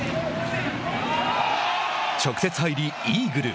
直接入りイーグル。